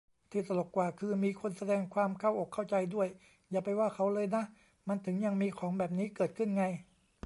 ที่ตลกกว่าคือ มีคนแสดงความเข้าอกเข้าใจด้วย !"อย่าไปว่าเขาเลยนะ" มันถึงยังมีของแบบนี้เกิดขึ้นไง